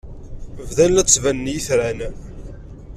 Bdan la d-ttbanen yitran.